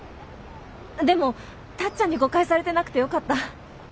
でもタッちゃんに誤解されてなくてよかった。